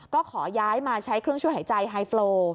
ก็ขอย้ายมาใช้เครื่องช่วยหายใจไฮโฟล